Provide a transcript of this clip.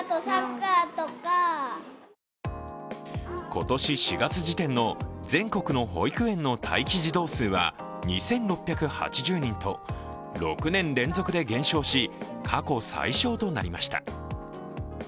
今年４月時点の全国の保育園の待機児童数は２６８０人と、６年連続で減少し、過去最少となりました。